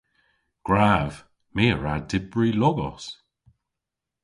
Gwrav. My a wra dybri logos.